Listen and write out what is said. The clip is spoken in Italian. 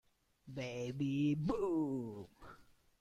Baby boom